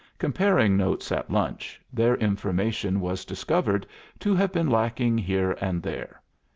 Comparing notes at lunch, their information was discovered to have been lacking here and there.